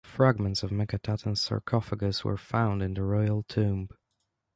Fragments of Meketaten's sarcophagus were found in the royal tomb.